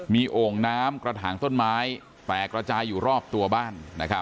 มีโอ่งน้ำกระถางต้นไม้แตกระจายอยู่รอบตัวบ้าน